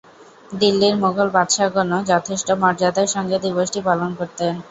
দিল্লির মুগল বাদশাহগণও যথেষ্ট মর্যাদার সঙ্গে দিবসটি পালন করতেন।